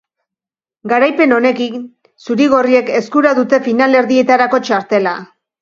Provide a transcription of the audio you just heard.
Garaipen honekin, zuri-gorriek eskura dute finalerdietarako txartela.